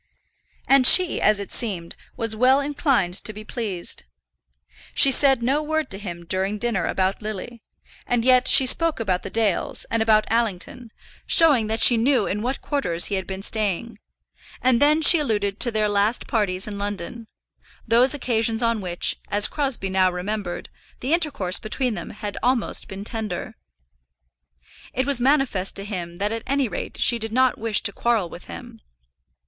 And she, as it seemed, was well inclined to be pleased. She said no word to him during dinner about Lily; and yet she spoke about the Dales, and about Allington, showing that she knew in what quarters he had been staying, and then she alluded to their last parties in London, those occasions on which, as Crosbie now remembered, the intercourse between them had almost been tender. It was manifest to him that at any rate she did not wish to quarrel with him.